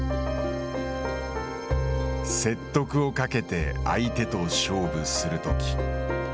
説得をかけて相手と勝負するとき。